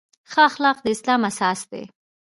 ښه اخلاق د اسلام اساس دی.